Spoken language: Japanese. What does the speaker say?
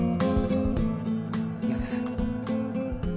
嫌です。